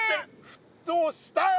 沸騰したよ！